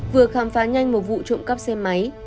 vừa khám phá nhanh một vụ trộm cắp xe máy